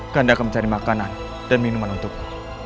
kanda akan mencari makanan dan minuman untukmu